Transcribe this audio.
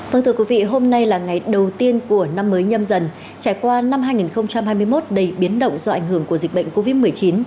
vâng thưa quý vị hôm nay là ngày đầu tiên của năm mới nhâm dần trải qua năm hai nghìn hai mươi một đầy biến động do ảnh hưởng của dịch bệnh covid một mươi chín